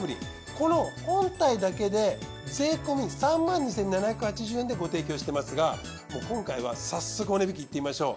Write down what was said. この本体だけで税込３２，７８０円でご提供してますがもう今回は早速お値引きいってみましょう。